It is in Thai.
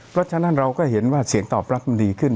เพราะฉะนั้นเราก็เห็นว่าเสียงตอบรับมันดีขึ้น